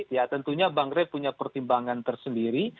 kita bang rey punya pertimbangan tersendiri